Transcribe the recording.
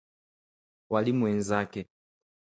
Waalimu wenzake